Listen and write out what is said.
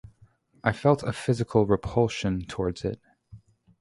I felt a physical repulsion towards it.